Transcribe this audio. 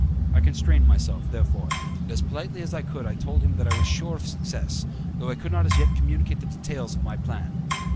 I constrained myself, therefore, and as politely as I could I told them that I was sure of success, though I could not as yet communicate the details of my plan.